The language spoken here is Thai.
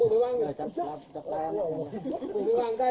เหลืองเท้าอย่างนั้น